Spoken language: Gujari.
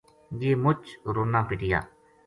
یہ مُچ رُنا پِٹیا